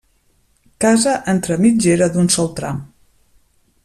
Casa entre mitgera d'un sol tram.